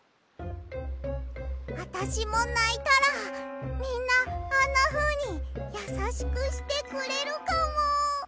あたしもないたらみんなあんなふうにやさしくしてくれるかも！